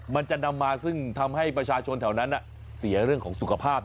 มันจะนำมาซึ่งทำให้ประชาชนแถวนั้นเสียเรื่องของสุขภาพ